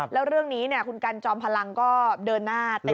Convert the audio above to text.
แล้วเรื่องนี้คุณกันจอมพลังก็เดินหน้าเต็ม